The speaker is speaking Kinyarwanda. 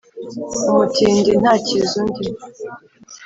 Umutindi ntakiza undi.